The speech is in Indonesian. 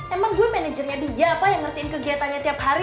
emang gue manajernya dia apa yang ngertiin kegiatannya tiap hari